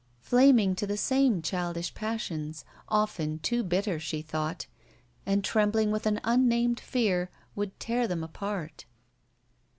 Flaming to the same childish passions, often too bitter, she thought, and, trembling with an unnamed fear, would tear them apart.